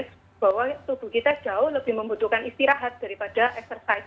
bahwa tubuh kita jauh lebih membutuhkan istirahat daripada exercise